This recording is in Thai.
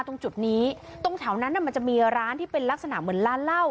ตรงจุดนี้ตรงแถวนั้นมันจะมีร้านที่เป็นลักษณะเหมือนร้านเหล้า